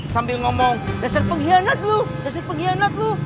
sambil ngomong desir pengkhianat lu desir pengkhianat lu